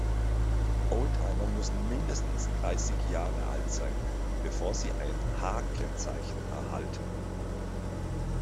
Oldtimer müssen mindestens dreißig Jahre alt sein, bevor sie ein H-Kennzeichen erhalten.